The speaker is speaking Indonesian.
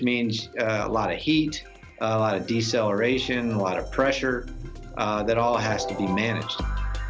yang berarti banyak panas banyak kecepatan banyak tekanan yang harus dilakukan